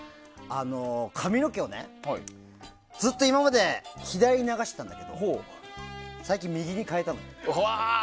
髪の毛をね、ずっと今まで左に流してたんだけど最近、右に変えたの。